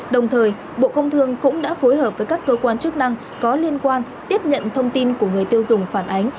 đồng thời bộ công thương cũng đã phối hợp với các cơ quan chức năng có liên quan tiếp nhận thông tin của người tiêu dùng phản ánh